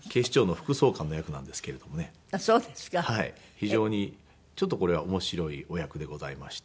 非常にちょっとこれは面白いお役でございまして。